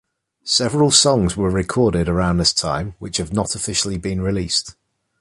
Several songs were recorded around this time which have not officially been released.